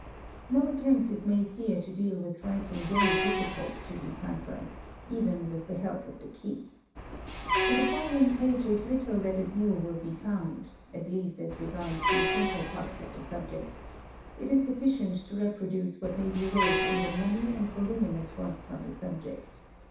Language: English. No attempt is made here to deal with writing very difficult to decipher—even with the help of the key. : In the following pages little that is new will be found—at least as regards _ the essential parts of the subject; it is sufficient to reproduce what may . be read in the many and voluminous works on the subject.